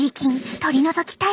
取り除きたい。